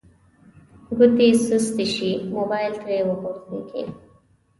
ګوتې سستې شي موبایل ترې وغورځیږي